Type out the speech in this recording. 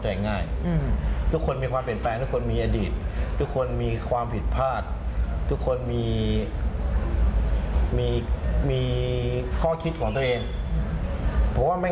หมายถึงตัวพี่ด้วย